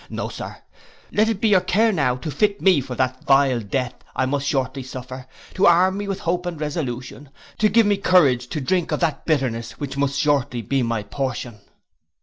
No, Sir, let it be your care now to fit me for that vile death I must shortly suffer, to arm me with hope and resolution, to give me courage to drink of that bitterness which must shortly be my portion.